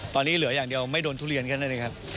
ตอนนี้เหลืออย่างเดียวไม่โดนทุเรียนแค่นั้นเลยครับ